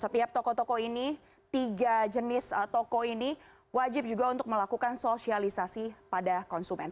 setiap toko toko ini tiga jenis toko ini wajib juga untuk melakukan sosialisasi pada konsumen